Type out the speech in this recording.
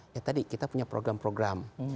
ya tadi kita punya program program